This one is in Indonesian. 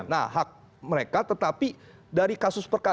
nah hak mereka tetapi dari gasus prokara